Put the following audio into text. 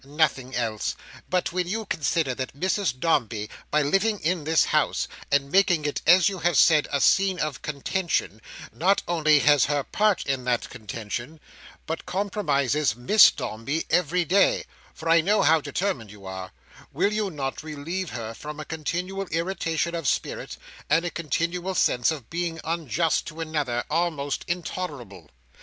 Nothing else. But when you consider that Mrs Dombey, by living in this house, and making it as you have said, a scene of contention, not only has her part in that contention, but compromises Miss Dombey every day (for I know how determined you are), will you not relieve her from a continual irritation of spirit, and a continual sense of being unjust to another, almost intolerable?